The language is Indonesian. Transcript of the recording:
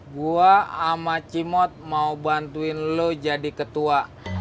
gue sama cimot mau bantuin lo jadi ketua